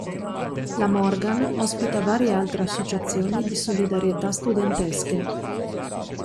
La Morgan ospita varie altre associazioni di solidarietà studentesche.